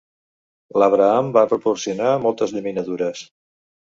L'Abraham va proporcionar moltes llaminadures.